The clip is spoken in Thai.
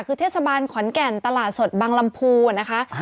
คือเทศบาลขอนแก่นตลาดสดบังลำพูนะคะ